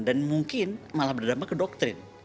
dan mungkin malah berdampak ke doktrin